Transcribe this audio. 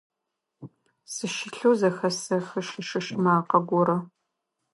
Сыщылъэу зэхэсэхы шы-шыш макъэ горэ.